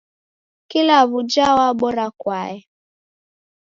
Kila w'uja wabora kwaya.